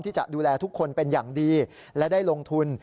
ที่จะดูแลทุกคนเป็นอย่างดีและได้ลงทุน